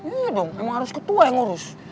iya dong emang harus ketua yang ngurus